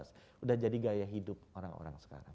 sudah jadi gaya hidup orang orang sekarang